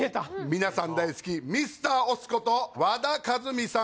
皆さん大好きミスター押忍こと和田和三さん